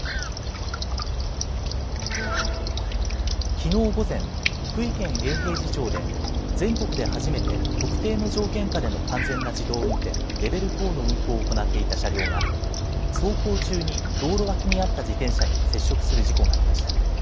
きのう午前、福井県永平寺町で全国で初めて特定の条件下での完全な自動運転レベル４の運行を行っていた車両が走行中に道路脇にあった自転車に接触する事故がありました。